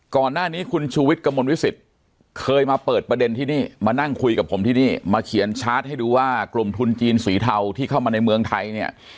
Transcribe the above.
ก่อนหน้านี้คุณชูวิทย์กระมวลวิสิตเคยมาเปิดประเด็นที่นี่มานั่งคุยกับผมที่นี่มาเขียนชาร์จให้ดูว่ากลุ่มทุนจีนสีเทาที่เข้ามาในเมืองไทยเนี่ย